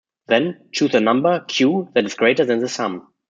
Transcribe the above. Then, choose a number "q" that is greater than the sum.